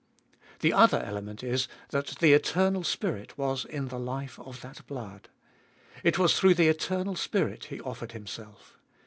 The other element is, that the Eternal Spirit was in the life of that blood. It was through the Eternal Spirit He offered Himself.